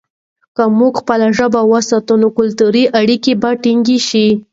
که موږ خپله ژبه وساتو، نو کلتوري اړیکې به ټینګې شي.